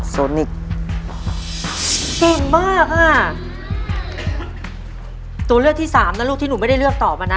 โซนิกเก่งมากอ่ะตัวเลือกที่สามนะลูกที่หนูไม่ได้เลือกตอบมานะ